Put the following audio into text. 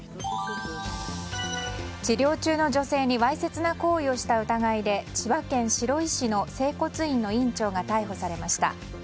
治療中の女性にわいせつな行為をした疑いで千葉県白井市の整骨院の院長が逮捕されました。